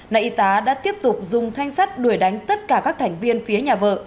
nay y tá đã tiếp tục dùng thanh sắt đuổi đánh tất cả các thành viên phía nhà vợ